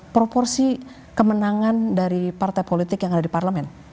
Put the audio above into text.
proporsi kemenangan dari partai politik yang ada di parlemen